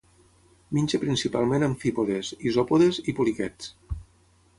Menja principalment amfípodes, isòpodes i poliquets.